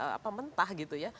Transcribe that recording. mereka juga mentah gitu ya